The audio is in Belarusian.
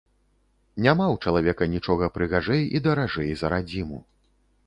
Няма ў чалавека нічога прыгажэй і даражэй за радзіму.